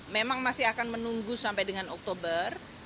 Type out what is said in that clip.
memang masih akan menunggu sampai dengan oktober